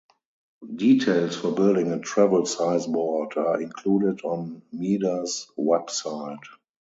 Details for building a travel-size board are included on Meder's website.